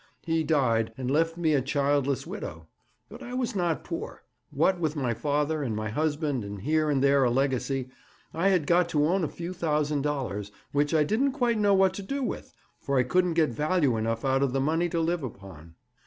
He died, and left me a childless widow. But I was not poor. What with my father, and my husband, and here and there a legacy, I had got to own a few thousand dollars, which I didn't quite know what to do with, for I couldn't get value enough out of the money to live upon.'